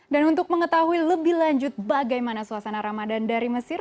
dan untuk mengetahui lebih lanjut bagaimana suasana ramadan dari mesir